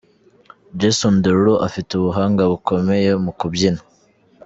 Jason Derulo afite ubuhanga bukomeye mu kubyina.